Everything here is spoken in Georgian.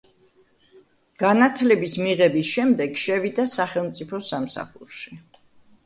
განათლების მიღების შემდეგ შევიდა სახელმწიფო სამსახურში.